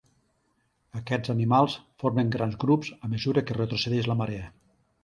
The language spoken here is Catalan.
Aquests animals formen grans grups a mesura que retrocedeix la marea.